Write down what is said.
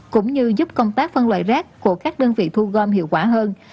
cũng như giúp công tác phân loại rác của các đơn vị thu gom hiệu quả hơn